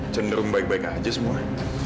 cenderung baik baik aja semuanya